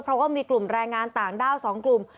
เพราะว่ามีกลุ่มแรงงานต่างด้าว๒กลุ่ม